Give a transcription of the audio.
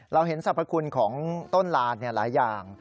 เราเห็นสรรพคุณของต้นลานหลายอย่าง